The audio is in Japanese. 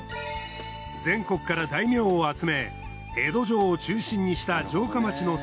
全国から大名を集め江戸城を中心にした城下町の整備に着手。